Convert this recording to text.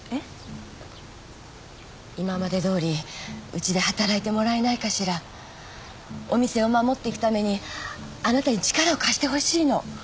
今までどおりうちで働いてもらえないお店を守っていくためにあなたに力を貸し